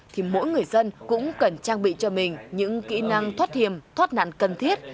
thì mỗi người dân cũng cần trang bị cho mình những kỹ năng thoát hiểm thoát nạn cần thiết